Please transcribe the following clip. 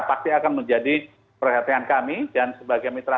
pasti akan menjadi perhatian kami dan sebagai mitra